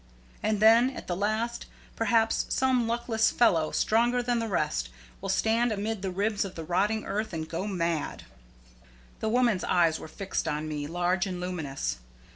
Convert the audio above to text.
And then, at the last, perhaps, some luckless fellow, stronger than the rest, will stand amid the ribs of the rotting earth and go mad." The woman's eyes were fixed on me, large and luminous.